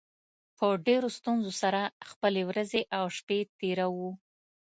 په ډېرو ستونزو سره خپلې ورځې او شپې تېروو